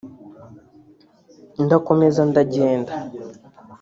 ndakomeza ndagenda